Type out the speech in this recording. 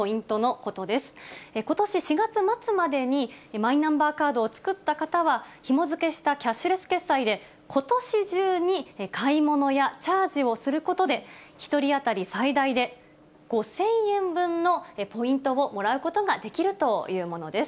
ことし４月末までに、マイナンバーカードを作った方は、ひもづけしたキャッシュレス決済で、ことし中に買い物やチャージをすることで、１人当たり最大で５０００円分のポイントをもらうことができるというものです。